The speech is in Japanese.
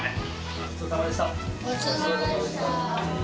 ごちそうさまでした。